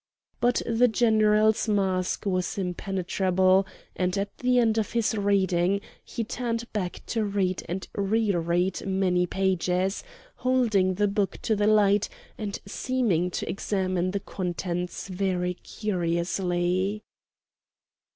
But the General's mask was impenetrable, and at the end of his reading he turned back to read and re read many pages, holding the book to the light, and seeming to examine the contents very curiously.